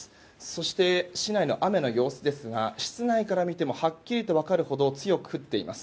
そして市内の雨の様子ですが室内から見てもはっきりと分かるほど強く降っています。